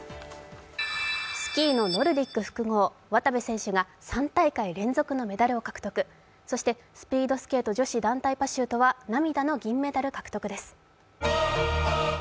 スキーのノルディック複合渡部選手が３体会連続のメダル獲得そして、スピードスケート女子団体パシュートは涙の銀メダル獲得です。